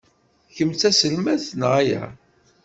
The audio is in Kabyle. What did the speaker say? Kemm d taselmadt neɣ ala?